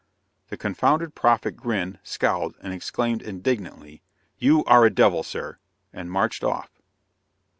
The confounded prophet grinned, scowled, and exclaimed indignantly: "You are a devil, Sir!" and marched off.